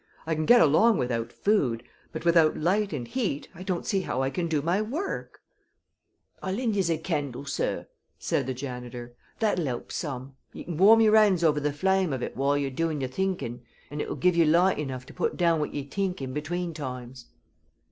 I can get along without food, but without light and heat I don't see how I can do my work." "I'll lend yez a candle, sorr," said the janitor. "That'll help some. Ye can warm your hands over the flame of ut while you're doin' your t'inkin', and ut'll give ye light enough to put down what ye t'ink in between times."